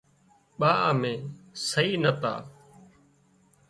ٻا امين سهي نتا